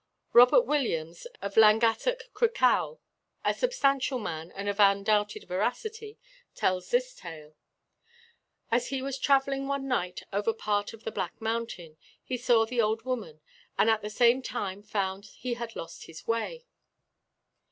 Robert Williams, of Langattock, Crickhowel, 'a substantial man and of undoubted veracity,' tells this tale: As he was travelling one night over part of the Black Mountain, he saw the Old Woman, and at the same time found he had lost his way.